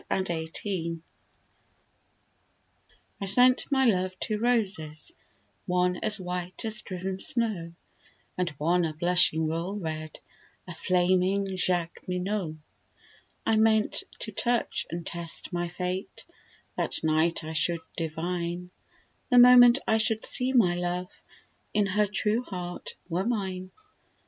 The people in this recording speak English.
The White Flag I sent my love two roses, one As white as driven snow, And one a blushing royal red, A flaming Jacqueminot. I meant to touch and test my fate; That night I should divine, The moment I should see my love, If her true heart were mine.